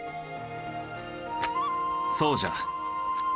そうじゃ。